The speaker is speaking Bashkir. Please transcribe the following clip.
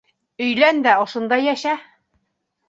Өйлән дә ошонда йәшә!